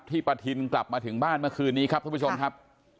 ปะทินกลับมาถึงบ้านเมื่อคืนนี้ครับท่านผู้ชมครับ